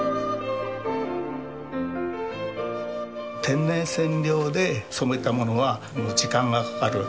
天然染料で染めたものは時間がかかる。